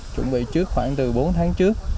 chuẩn bị trước khoảng từ bốn tháng trước